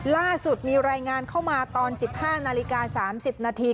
ล่าสุดมีรายงานเข้ามาตอน๑๕นาฬิกา๓๐นาที